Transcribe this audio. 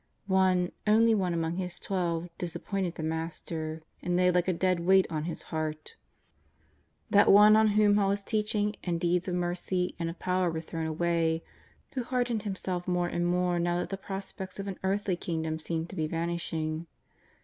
One, one only among His Twelve disappointed the Master and lay like a dead weight on His Heart, that 278 JESUS OF NAZAEETH. one on whom all His teaching and deeds of mercy and of power were thrown away, who hardened himself more and more now that the prospects of an earthly king dom seemed to be vanishing.